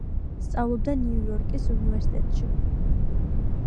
სწავლობდა ნიუ-იორკის უნივერსიტეტში.